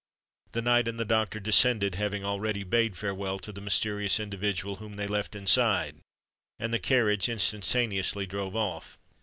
The knight and the doctor descended, having already bade farewell to the mysterious individual whom they left inside; and the carriage instantaneously drove off.